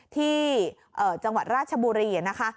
ที่จังหวัดราชบุรีนะคะ